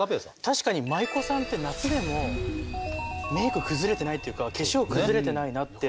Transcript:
確かに舞妓さんって夏でもメーク崩れてないっていうか化粧崩れてないなって。